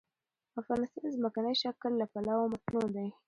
افغانستان د ځمکنی شکل له پلوه متنوع دی.